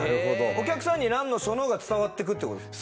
お客さんに「なんのその」が伝わっていくって事ですか？